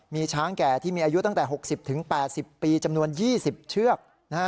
มีช้างแก่ที่มีอายุตั้งแต่๖๐๘๐ปีจำนวน๒๐เชือก